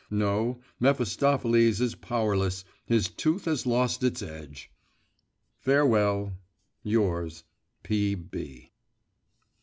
… No, Mephistopheles is powerless, his tooth has lost its edge.… Farewell. Yours, P. B.